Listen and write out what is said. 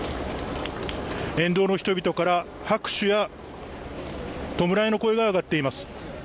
沿道の人々から拍手や弔いの声が上がっています。